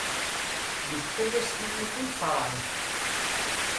Yefka-yas tiyita iṣreɛ-it.